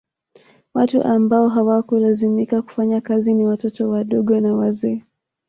Watu ambao hawakulazimika kufanya kazi ni watoto wadogo na wazee